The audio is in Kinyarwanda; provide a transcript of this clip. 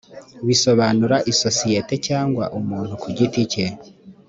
bisobanura isosiyete cyangwa umuntu kugiti cye